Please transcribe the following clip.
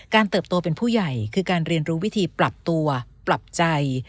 เติบโตเป็นผู้ใหญ่คือการเรียนรู้วิธีปรับตัวปรับใจ